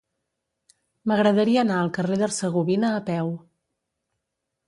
M'agradaria anar al carrer d'Hercegovina a peu.